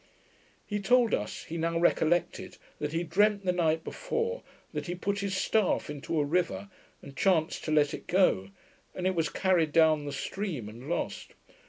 He told us, he now recollected that he dreamt the night before, that he put his staff into a river, and chanced to let it go, and it was carried down the stream and lost.